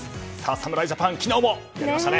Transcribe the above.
侍ジャパン、昨日もやりましたね。